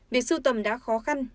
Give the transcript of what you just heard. việc sưu tầm đã khó khăn